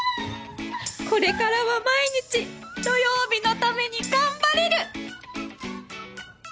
これからは毎日土曜日のために頑張れる！